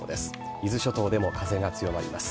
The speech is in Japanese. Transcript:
伊豆諸島でも風が強まります。